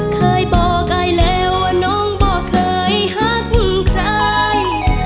เคยบอกไอแล้วว่าน้องบ่เคยหักใคร